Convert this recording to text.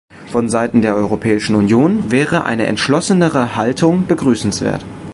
Von Seiten der Europäischen Union wäre eine entschlossenere Haltung begrüßenswert.